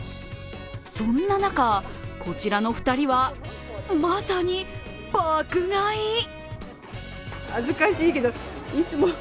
そんな中、こちらの２人はまさに爆買い。